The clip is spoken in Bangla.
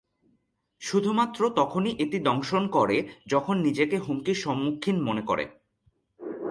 শুধুমাত্র তখনই এটি দংশন করে যখন নিজেকে হুমকির সম্মুখীন মনে করে।